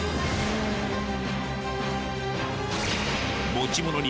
持ち物に